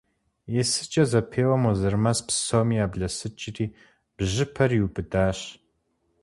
Есыкӏэ зэпеуэм Уэзырмэс псоми яблэсыкӏри бжьыпэр иубыдащ.